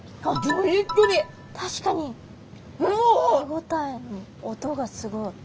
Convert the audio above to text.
確かに歯応え音がすごい。